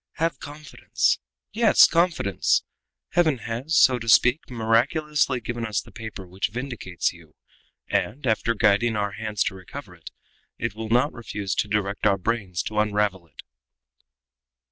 Have confidence yes, confidence! Heaven has, so to speak, miraculously given us the paper which vindicates you, and, after guiding our hands to recover it, it will not refuse to direct our brains to unravel it."